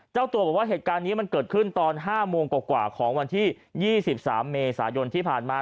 เจ้าตัวบอกว่าเหตุการณ์นี้มันเกิดขึ้นตอน๕โมงกว่าของวันที่๒๓เมษายนที่ผ่านมา